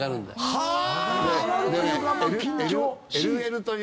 はい。